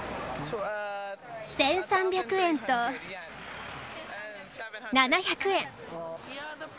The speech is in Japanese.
１３００円と、７００円。